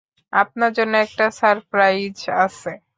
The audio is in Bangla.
আপনার জন্য একটা সারপ্রাইজ আছে।